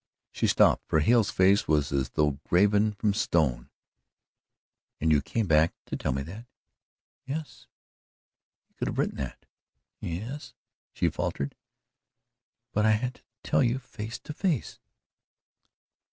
She stopped for Hale's face was as though graven from stone. "And you came back to tell me that?" "Yes." "You could have written that." "Yes," she faltered, "but I had to tell you face to face."